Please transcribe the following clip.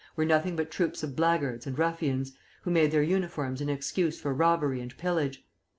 were nothing but troops of blackguards and ruffians, who made their uniforms an excuse for robbery and pillage.